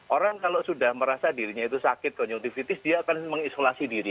orang kalau sudah merasa dirinya itu sakit konyoltivitis dia akan mengisolasi diri